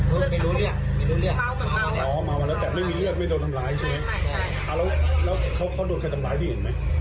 เจ็บทุกข์ก็เลยไปเลยผมก็เลยให้แฟนลงไปเจ็บเลยนี่